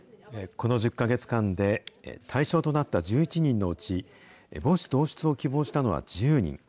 この１０か月間で、対象となった１１人のうち母子同室を希望したのは１０人。